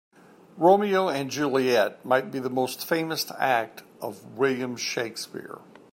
Romeo and Juliet might be the most famous act of William Shakespeare.